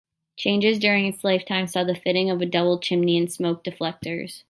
Changes during its lifetime saw the fitting of a double chimney and smoke deflectors.